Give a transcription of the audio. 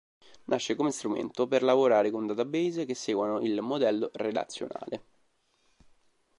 Nasce come strumento per lavorare con database che seguano il modello relazionale.